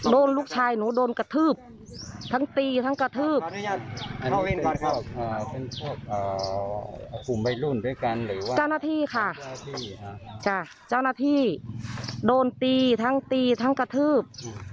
โดนลูกชายหนูโดนกระทืบทั้งตีทั้งกระทืบ